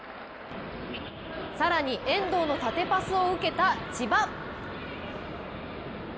更に、遠藤の縦パスを受けた千葉。